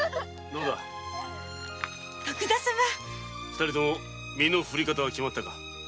二人とも身の振り方は決まったか？